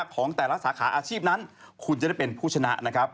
ของแต่ละสาขาอาชีพนั้นคุณจะได้เป็นผู้ชนะนะครับ